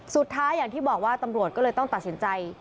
สุดท้ายอย่างที่บอกว่าตำรวจก็เลยต้องตัดสินใจ